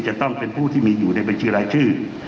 จะต้องเป็นผู้ที่มีอยู่ในบัญชีรายชื่อ